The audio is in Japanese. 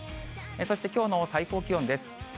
そして、きょうの最高気温です。